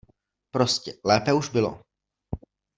Prostě - lépe už bylo.